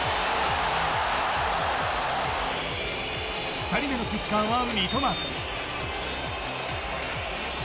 ２人目のキッカーは三笘。